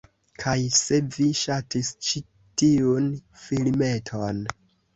Kaj se vi ŝatis ĉi tiun filmeton